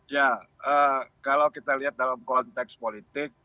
ya kalau kita lihat dalam konteks politik